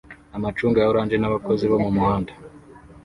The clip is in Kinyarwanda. Amacunga ya orange n'abakozi bo mu muhanda